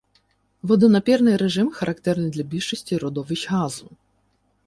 Водонапірний режим характерний для більшості родовищ газу.